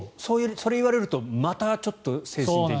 それを言われるとまたちょっと精神的に。